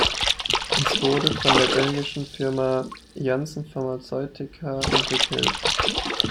Es wurde von der belgischen Firma Janssen Pharmaceutica entwickelt.